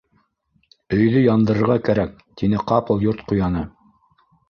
—Өйҙө яндырырға кәрәк! —тине ҡапыл Йорт ҡуяны.